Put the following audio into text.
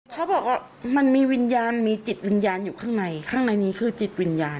เขาบอกว่ามันมีวิญญาณมีจิตวิญญาณอยู่ข้างในข้างในนี้คือจิตวิญญาณ